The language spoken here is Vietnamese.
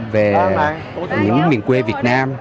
về những miền quê việt nam